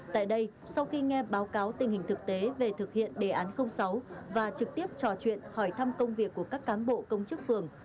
tại đây sau khi nghe báo cáo tình hình thực tế về thực hiện đề án sáu và trực tiếp trò chuyện hỏi thăm công việc của các cán bộ công chức phường